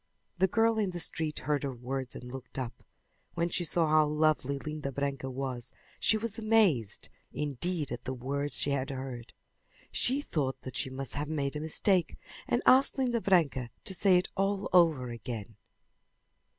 The girl in the street heard her words and looked up. When she saw how lovely Linda Branca was she was amazed indeed at the words she had heard. She thought that she must have made a mistake and asked Linda Branca to say it all over again.